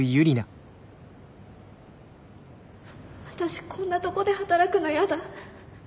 私こんなとこで働くの嫌だ。